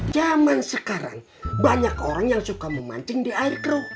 zaman sekarang banyak orang yang suka memancing di air keruh